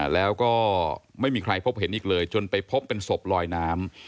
แล้วก็ไม่มีใครพบเห็นอีกเลยจนไปพบเป็นศพลอยน้ำ